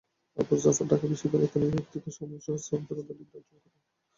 আবু জাফর ঢাকা বিশ্ববিদ্যালয়ের অর্থনীতি বিভাগ থেকে সম্মানসহ স্নাতকোত্তর ডিগ্রি অর্জন করেন।